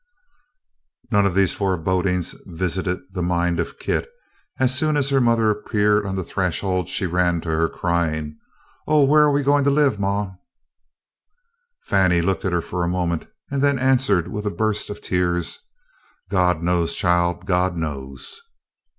None of these forebodings visited the mind of Kit, and as soon as her mother appeared on the threshold she ran to her, crying, "Oh, where are we going to live, ma?" Fannie looked at her for a moment, and then answered with a burst of tears, "Gawd knows, child, Gawd knows."